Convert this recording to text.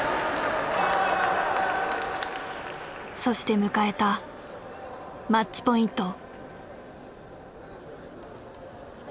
そして迎えたマッチポイント。